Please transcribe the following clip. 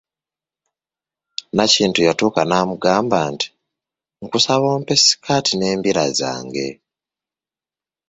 Nakintu yatuuka n'amugamba nti, nkusaba ompe sikaati n'embira zange.